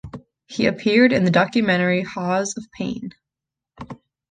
He appeared in the documentary Haus of Pain.